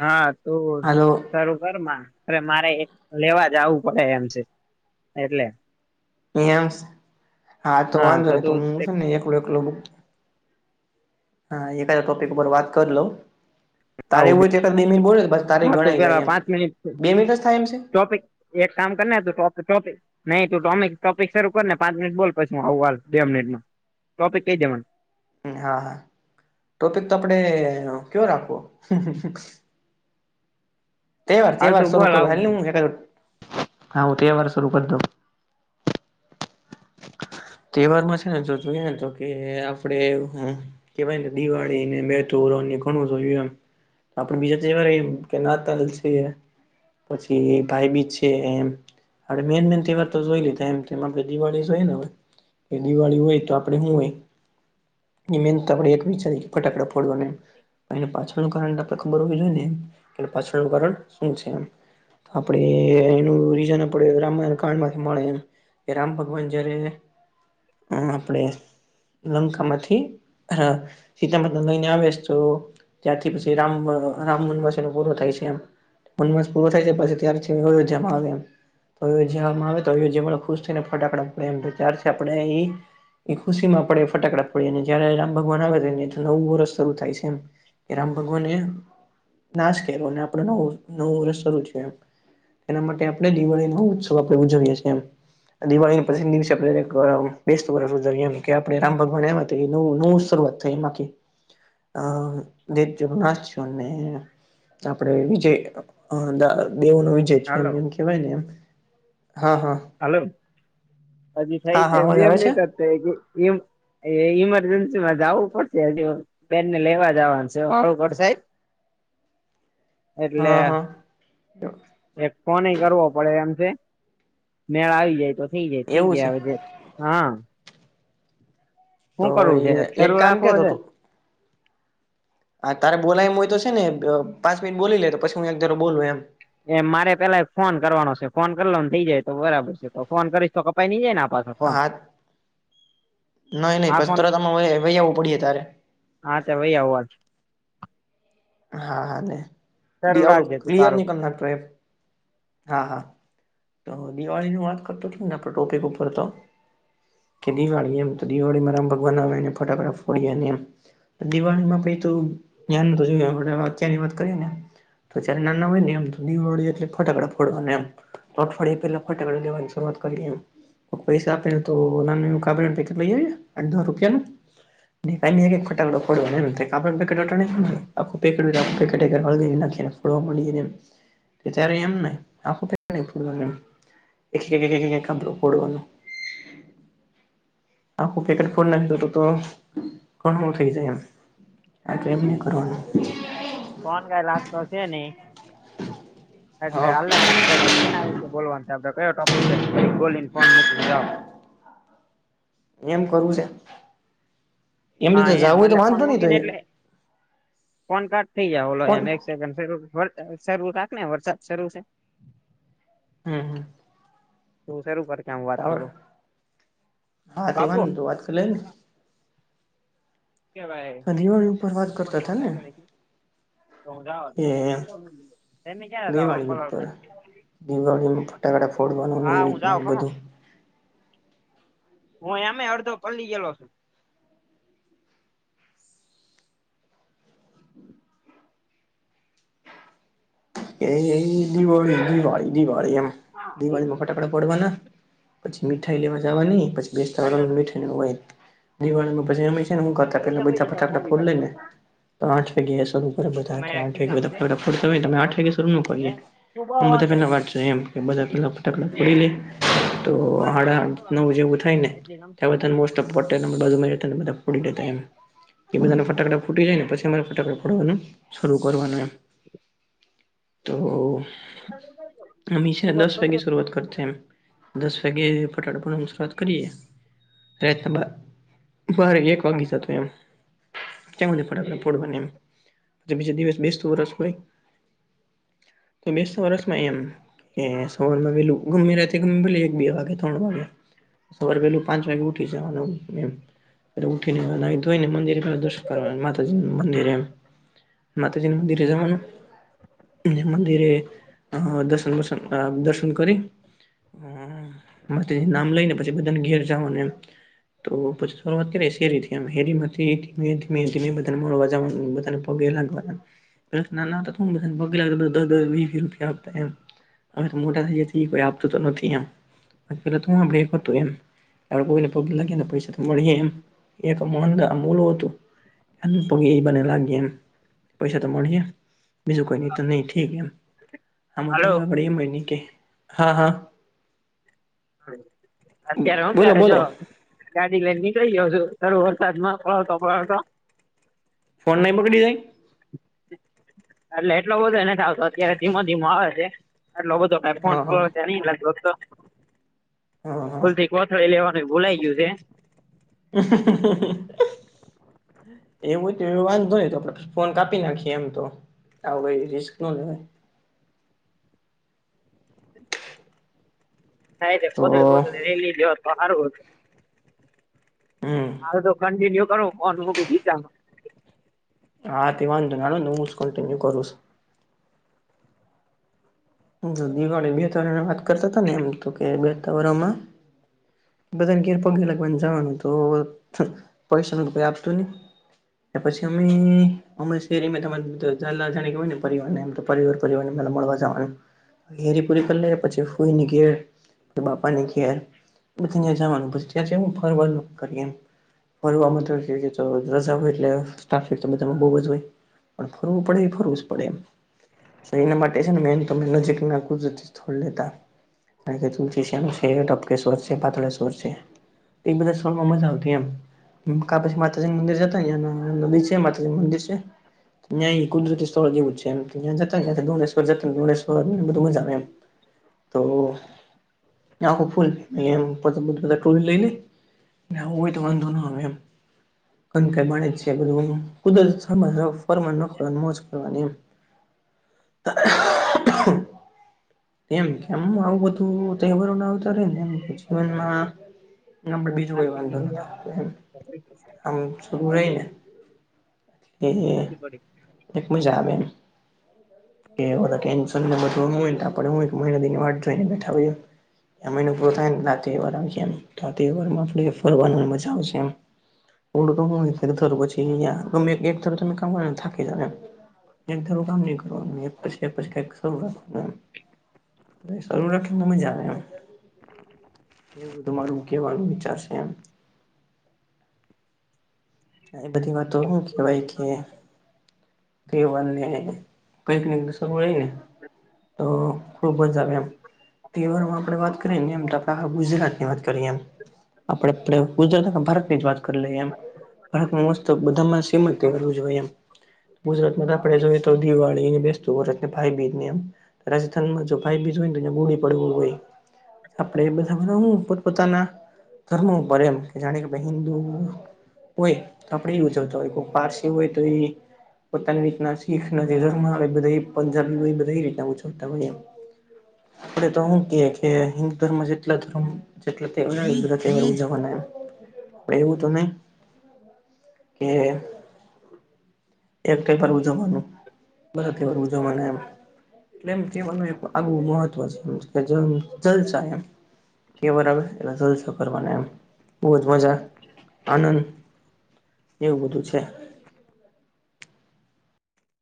હા તો હાલો તારું કરમાં. અરે મારે એક લેવા જાવું પડે એમ છે એટલે. એમ હા તો વાંધો નહીં તો હું છે ને એકલો એકલો હા એકાદ ટોપિક ઉપર વાત કર લઉ. તારે એવુંય આવું હોય તો એકાદ બે મિનિટ બોલે લે તો પછ તારે એ હા તું ગણાય જાય પેલા એમ. પાંચ મિનિટ બે મિનટ જ થાય એમ છે? ટોપિક એક કામ કરના તોપોપે. નહી તું ટોમિક ટોપિક શરૂ કર ને પાંચ મિનિટ બોલ પછીું આવું વા બે મિનિટમાં ટોપિક કઈ દેવાનું. હા હા ટોપિક તો આપડે કેયો રાખવો. તહેવાર હાલ તહેવાર તું શરૂ બોલ કરો હ આવું હ હાું તહેવાર શરૂ કરી દઉ. તહેવાર માં છે ને જો તું એને તો કે આપડે. કે ભાઈને દિવાળી ને મેતુ ર ઘણું જોયું એમ. આપડ બીજા તોવાર કે નાલ છે. પછી ભાઈ બીજ છે એમ. આપડ મેન મેન તહેવાર તો જોઈ લીધા એમ તેમમ આપણે દિવાળી જોઈએ ને હવે. એ દિવાળી હોય તો આપડે શું હોય. મેન આપડે એક ફટાકડા ફોડવા. પાછળનું કારણ આપડણે ખબર હોવી જોઈએ ને એમ પાછળનું કારણ શું છે એમ. આપણે એનું રીઝન આપડ રામાયણ કાંડ માંથી મળે એ. કે રામ ભગવાન જય્યારે હ આપણે લંકામાંથી હ સીતામઢ લઈને આવેસ તો. ત્યાંથી પછી રામ રામ વન વસે ન પૂરું થાય છે એમ. સ પૂરો થાય પછી ત્યારે છે હોય જમા આવે એમ. તો જવામાં આવે તો જેમ ખુશ થઈને ફટાકડા પે એમ ચાર છે આપણે એ એ ખુશીમાં પડે ફટાકડા પડે અને જય્યારે રામ ભગવાન આવે છે ને નવું વરષ શરૂુ થાય છે એમ. કે રામ ભગવાને નાશ કર્યો અને આપડ નવ નવું વર્ષ શરૂ થયું એમ. એના માટે આપણે દિવાળી નો ઉત્સવ આપણે ઉજવીએ છીએ એમ દિળી પસિ દિવસે આપ. બેસ્ટ વર્ષ ઉ જોરએ એમ કે આપડે રામ ભગવાન એમાંવ નવું શરૂઆત થઈ એમાં અ દજ હસશને. આપણેે વિજય દેવોનો વિજ જે એમ હાલો એમ કેવાય ને એમ હા હા. હલો પછી હા થઈ છે હા એમ અવાજ આવે છે નની થ કે એમ. એ ઇમરજન્સી માં જ આવું પડશેજ. બેનને લેવા જવાનું છે ખુંખર સાહેબ. એટલે હા હા એક ફોન કરવો પડે એમ છે. મેળા આવી જાય તો થઈ જાય થઈ એવું છે જાય હવે હા. તો શું કરવું છે એક શરૂ કામ કે રાખવો તો છે. તું હા તારે બોલાય એમ હોય તો છે ને પાંચ મિનટ બોલી લે તો પછી હું એક ધારો બોલું એમ. એ મારે પેલા એક ફોન કરવાનો છે ફોન કરલોને થઈ જાય તો બરાબર છે તો ફોન કરીશ તો કપાઈ ઈ જાય ને આપ પા હા નહી નહી આ પ ફોન તરત વહી આવવું પડીએ ત્યારે હા તો ભાઈ આવ વાત. હા હા ન શરૂ આવલોું રાખજે તું ક્લિયર તારું નહી કરના ટ્રેપ. હા હા તો દિવાળીની વાત કરતો હતો ને આપ ટોપિક ઉપર તો કે દિવાળી એમ તો દિવાળીમાં રામ ભગવાન આવેને ફટોકડા ફોડી અને એમ. દિવાળીમાં પ તો ધ્યાન જોયું આપ અત્યારની વાત કરીએ ને. તો જ્યારે નાના હોય ને એમ દીવ વડે એટલે ફટકડા ડ એ અગફડિયા પેલા ફટાકડા લેવાની શરૂઆત કરી એમ. પૈસા આપે તો કાડ પેકેટ લઈએઢ દાર રૂપિયા. ટાકોડખ નાખ, ડવા મળી ને એ ત્યારે એમ ને. આખુંડવાનું ક [unintelligible] ફડવાનું. આખું પેકેટ ફો નાખી દત તો કોણ થઈ જાય એમ. આટ એમ ન કરવાનું. ફોન કઈ લાગતો શેની. એટલે હા હાલ ને હું ક કે ના આવીશું બોલવાનું તો આપડે કયો ટોપિક છે, ઘડીક બોલીને ફોન મૂકીને જાઉ. એમ કરવું છે? એમને હા તો એમ જવું હોય ભલે તો ફોન વાંધો નહી તો મૂકીને એ એટલે ફોન કટ થઈ જાય ઓલો ફોન એમ એક્સ [unintelligible] શાક ને વરસાદ શરૂ છે હમ હમ તું શુંરૂ કર કામ વ તાવળ હા બાપુ તેવાનને તો વાત કરી લે ની કેવાય દિવાળી ઉપર વાત કરતા હતા ને? તો હું જાવા કે દાવ તમે ક્યા જાવ હો દિવાળી પલ ઉપર દિવાળીમાં ફટાકડા ફોડવાનું એ જાઉં રીતના ખમો બધું હું એમે અડધો પલ્લી ગેલો છું. એ એ દિવાળી દિવાળી દિવાળી એમ દિવાળીમાં ફટાકડા ફોડવાના. પછી મીઠાઈ લેવા જવા ની, પછી બેતા હાલ્યો તો. મીઠાઈ દિવાળીમાં પછી અમે હું કરતા પૈસા પેલા બધા પૈસા તાર ફટાફટ મમ્મી ફોડી કાક લઈને કરતા તો આઠ વાગ્યા શરૂ કરે બધા ઈ કે મારા આઠ ખિસ્સામાં છે વાગ્યા બધા ખમો હોય તમે જાઉં આઠ બાપુ હે એ તું બહુ આમ બધા વાંકે પેલા વાત છે એમ કે બધા પેલા ટાકડા ફોડીએ તો હાડા નવ જેવું થાય એટલી ગમતી નેધ મોસ્ટોપ નથી. [unintelligible] એમાં બાજુમાં રેતામે તો ફોડી લેતા એમ એ બધાના ફટાકડા ફૂટી જાય ને, પછી મારે ફટાકડા ફડવાનું શરૂ કરવાનું એમ. તો અમીસે અડધો દસ પલ્લો વાગે શરૂઆત કરતા એમ દસ વાગે ફટાકડા ફોડવાનું શરૂઆત કરીએ. રાતના બા બારે એક વાગી જતો એમ ત્યાં હુદી ફટાકડા ફોડવાના એમ બીજ દિવસ બેસતું વરસ હોય તો મેષ વર્સમાં એમ એ સવારમાં વેલું [unintelligible] બે વાગે ત્રણ વાગે સવારે વેલું પાંચ વાગે ઉઠી જવાનું એમ. ઉઠીને નાઈ ધોઈ ને મંદિર પ દર્શન કરવા માતાજી નું મંદિર એમ માતાજી મંદિરે જવાનું મંદિરે દર્શન બર્શન દર્શન કરી. હ મસ્તીથી નામ લઈને પછી બધાને ઘેર જવાનું એમ. તો પછી શેરી થી હેરી માંથી ધીમે ધીમે અવાજ એમ બધા અને પગે લાગવાના [unintelligible] પગલા દસ દસ વી વી રૂપિયા આપતા એમ હવે મોટા થઈ કોઈ આપતું તો નથી એમ પેલા તું બ્રેક હતું એમ એ કોઈને પગી લાગી ને પૈસાથી મળીએ એમ એક અન અમૂલો હતું આ પગી ઈ બને લાગે એમ પૈસા તો મળી જ બીજું કોઈ નહી તો નહી ઠીક એમ હામાં તો હાલો હવે આપળ એમ હોય નહી કે હા હા અત્યારે હું બોલો કરે જો બોલો ગાડી લઈને નીકળી જયો છો તર વરસાદ માં ફળવતો ફળવતો ફોન નઇ બગડી જાય એટલે એટલો બધો એને થાવતો અત્યારે ધીમો ધીમો આવે છે એટલો બધો હેડ ફોન હા પલો હા જાણી લગભગ તો હા હા ભૂલથી કોથળી લેવાનું ભૂલાઈ ગયું છે. [unintelligible] એવું તો એ વાંધો નહી તો આપડે ફોન કાપી નાખીએ એમ તો. આવું ભાઇ રિસ્ક નો લેવાય. છે થાય છે, તો ગોદળી પોધળી લઈ લીધી હોત તો હારું હોત હમ હા, તો કન્ટિન્યુ કરું ફોન મૂકી બીજાનો આતો વાંધો નહીં હું જ કન્ટિન્યુ કરૂં છું. જો દિવાળી બે તવરની વાત કરતા હતા, ને એમ તો કે બેસતા વર્ષેમા બધાને ઘેર પગે લાગવાનુજવાનુ, તો પૈસા ન કોઈ આપતું નહી ત્યાં પછી અમે અમે શેરીમાં તમારે જલા જાણે કે હોય ને પરિવાર ને આમ તો પરિવાર પરિવારનેલા મળવા જવાની ઘેરી પૂરી કરી લે પછી ફૂઈ ની ઘેર બાપા ની ઘેર બધી તુ જવાનું પછી ત્યા, હુ ફરવાનું કરી એમ ફરવામાં રજા હોય એટલે ટ્રાફિક તો બધા બોવ જ હોય. પણ ફરવું પડે એ ફરવું જ પડે એમ એના માટે છે, ન તમે નજીકના કુદરતી છોડ લેતા કારણ કે, તુલસીશ્યામ છે, ટપકે સરશે પાતળે સર છે. એ બજાર સોમાં મજા આવતી એમ કા પછી માતાજી મંદિર જતા નદી છે, માતાજી મંદિર છે. ત્યાં એ કુદરતી સ્થળ જેવુંજ છે, એમ ત્યાં જ દોણેશ્ર્વર જતા તોધુમાં જાવ એમતો આખો ફૂલએમ ટોળ લઈ. ન્યા આવુ તો વાંધો ના આવે એમ કનકાઈ મળે છે, બધું કુદરતી સ્થળ ફરમાન કરવાનું મોજ કરવાની તો હા એમ કેમ આવુ બધુ તહેવારો ના આવતા રેને એમ જીવનમા બીજું કોઈ પ્લાસ્ટિકની વાંધો ન ઓલી આપણે આમું રહીને એ નથી પડી એક મજા આવે એમ કેવળજ્ઞાન યને આપ હુ એક મહિને વાટ જોઈને બેઠા હોય. એ મહિનું પૂરું થાય નેઆ તહેવારમાં છે, એમ તો તહેવારમાં આપ ફરવાનું મજા આવશે એમ ઓલું તો જ ઘરુ પછી ગમે એક ધર તમે કામને થાકી જાવ એમ એક ધારૂ કામ નહીં કરવાનુ શંખ શરૂ રાખીને મજા આવે એમ એવું તમારું કહેવાનું વિચાર છે, એમ એ બધી વાતો એ કહેવાય કે તેવાને પિકનિક શરૂને તો ખૂબ જ આવે એમ તહેવાર આપણે વાત કરીએ ને એમ આપણે ગુજરાતની વાત કરીએ એમ આપડે આપડે ગુજરાત ભારતની જ વાત કરી લઈએ એમ બા મસ્ત બધામાં સિમત કરવું જોઈએ, એમ ગુજરાતમાં તો આપણે જોઈએ તો દિવાળીને બેસતું ગજરાતને ભાઈબીજ ને એમ રાજસ્થાનમાં ભાઈબીજ હોય, બોડી પડવું હોય. આપડે એ બધા બધા હુ પોતપોતાના ધર્મો ઉપર એમ કે જાણે કે હિન્દુ હોયતો, આપડે એ ઉજવતા હોય કો પારસી હોય તો એ પોતાની રીતના શીખ નથી ધર્મ આવે બધા પંજાબી હોય બધા એ રીતના ઉજવતા હોય, એમ આપડે તો શું કે કે હિન્દુધર્મ જેટલા ધર્મ જેટલે બધું ઉજવાના એમ એવું તો નહી. કે એકવાર ઉજવવાનુ બધા તહેવાર ઉજવવાના એમ એટલે એમ કહેવાનું એક આગવું મહત્વ છે, એમ કે જ જલસા એમ કે વાર એ જલસો કરવાનો બહુ જ મજા આનદ એવું બધું છે.